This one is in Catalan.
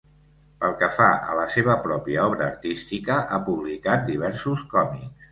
Pel que fa a la seva pròpia obra artística, ha publicat diversos còmics.